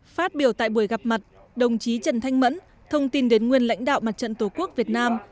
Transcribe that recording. phát biểu tại buổi gặp mặt đồng chí trần thanh mẫn thông tin đến nguyên lãnh đạo mặt trận tổ quốc việt nam